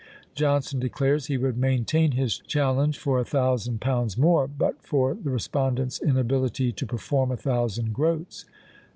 Johnson declares he would maintain his challenge for a thousand pounds more, but for the respondent's inability to perform a thousand groats.